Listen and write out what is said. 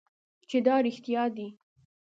چې دا رښتیا دي .